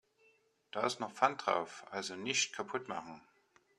Da ist noch Pfand drauf, also nicht kaputt machen.